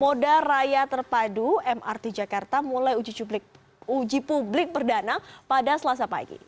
moda raya terpadu mrt jakarta mulai uji publik perdana pada selasa pagi